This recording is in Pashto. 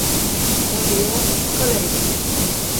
طبیعت ښکلی دی.